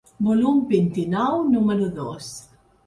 Volum vint-i-nou, número dos.